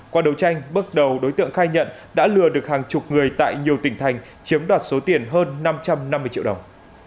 qua đấu tranh bước đầu đối tượng khai nhận đã lừa được hàng chục người tại nhiều tỉnh thành chiếm đoạt số tiền hơn năm trăm năm mươi triệu đồng